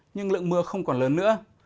nhưng lượng mưa không còn lớn nữa